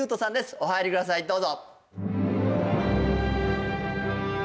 お入りください、どうぞ。